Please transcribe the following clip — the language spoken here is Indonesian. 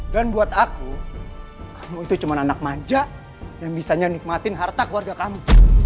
dan buat aku kamu itu cuma anak manja yang bisanya nikmatin harta keluarga kamu